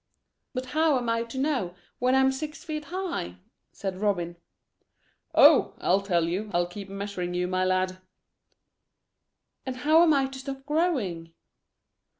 "But how am I to know when I'm six feet high?" said Robin. "Oh! I'll tell you, I'll keep measuring you, my lad." "And how am I to stop growing?"